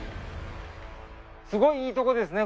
すごいいいとこですね